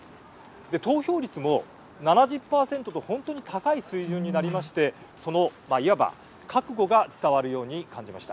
で投票率も７０％と本当に高い水準になりましてそのいわば覚悟が伝わるように感じました。